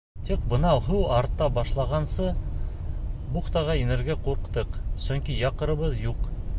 Тик бына һыу арта башлағансы бухтаға инергә ҡурҡтыҡ, сөнки якорыбыҙ юҡ.